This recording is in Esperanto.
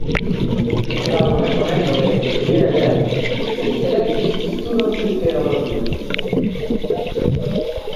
Laŭ rekomendo de Ziegler li elektis studon pri teologio.